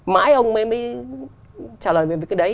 mãi ông mới trả lời về cái đấy